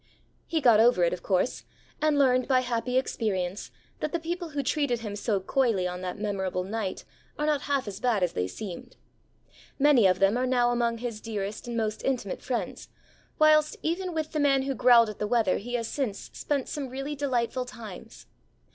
He got over it, of course; and learned by happy experience that the people who treated him so coyly on that memorable night are not half as bad as they seemed. Many of them are now among his dearest and most intimate friends; whilst even with the man who growled at the weather he has since spent some really delightful times.